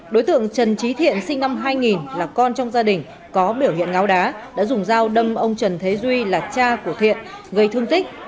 đối tượng trần trí thiện sinh năm hai nghìn là con trong gia đình có biểu hiện ngáo đá đã dùng dao đâm ông trần thế duy là cha của thiện gây thương tích